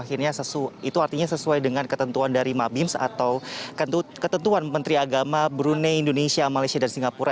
itu artinya sesuai dengan ketentuan dari mabims atau ketentuan menteri agama brunei indonesia malaysia dan singapura